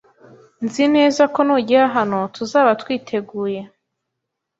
Nzi neza ko nugera hano, tuzaba twiteguye.